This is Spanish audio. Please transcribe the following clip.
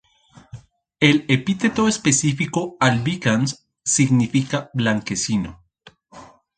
El epíteto específico "albicans" significa "blanquecino".